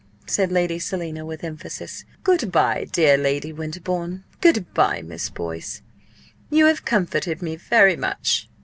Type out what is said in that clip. said Lady Selina, with emphasis. "Good bye, dear Lady Winterbourne; good bye, Miss Boyce! You have comforted me very much!